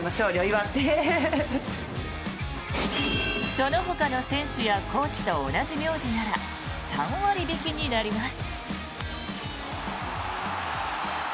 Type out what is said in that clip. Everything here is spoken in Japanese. そのほかの選手やコーチと同じ名字なら３割引きになります。